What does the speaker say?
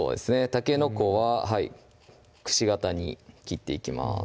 たけのこはくし形に切っていきます